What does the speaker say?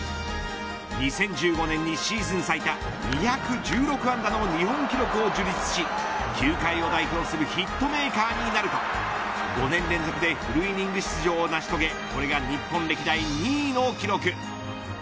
２０１５年にシーズン最多２１６安打の日本記録を樹立し球界を代表するヒットメーカーになると５年連続でフルイニング出場を成し遂げこれが日本歴代２位の記録。